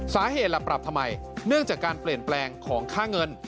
สาเหตุล่ะปรับทำไมเนื่องจากการเปลี่ยนแปลงของค่าเงิน